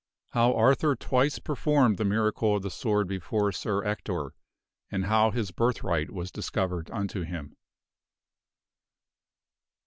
How Arthur Twice Performed the Miracle of the Sword Before Sir Ector and of How His Birthright Was Discovered Unto Him.